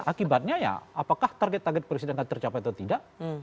akibatnya ya apakah target target presiden akan tercapai atau tidak